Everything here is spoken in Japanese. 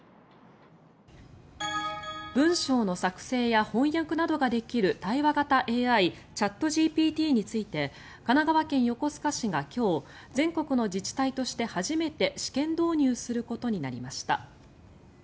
文章の作成や翻訳などができる対話型ＡＩチャットＧＰＴについて神奈川県横須賀市が今日全国の自治体として初めて試験導入することになりました。